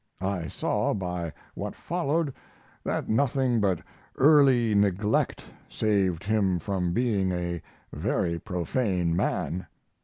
I saw by what followed that nothing but early neglect saved him from being a very profane man.